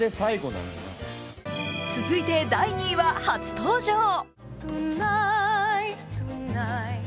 続いて第２位は、初登場。